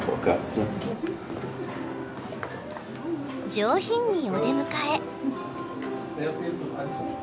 上品にお出迎え。